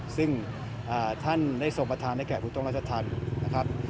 ซึ่งท่านได้ส่งประทานในแขกพูดตรงราชธันภ์